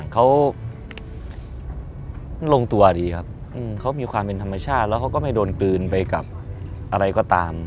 เขาลงตัวดีครับเขามีความเป็นธรรมชาติแล้วเขาก็ไม่โดนกลืนไปกับอะไรก็ตาม